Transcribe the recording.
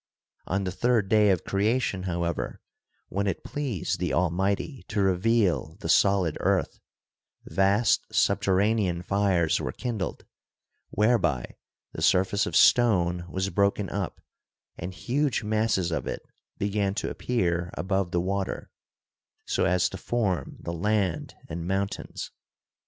On the third day of creation, how ever, when it pleased the Almighty to reveal the solid earth, vast subterranean fires were kindled, whereby the surface of stone was broken up and huge masses of it began to appear above the water, so as to form the land and mountains.